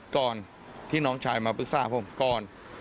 ก่อนที่น้องชายมาปรึกษาผมก่อน